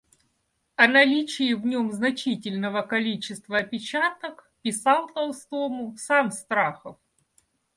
О наличии в нем значительного количества опечаток писал Толстому сам Страхов.